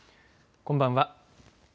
こんばんは。